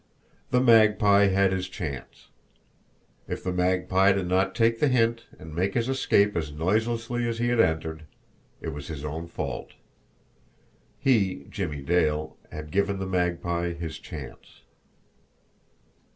The Magpie had his chance! If the Magpie did not take the hint and make his escape as noiselessly as he had entered it was his own fault! He, Jimmie Dale, had given the Magpie his chance.